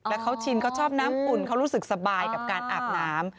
แล้วเขาชินเขาชอบน้ำอุ่นเขารู้สึกสบายกับการอาบน้ำ